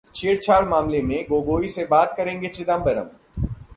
छेड़छाड़ मामले में गोगोई से बात करेंगे चिदंबरम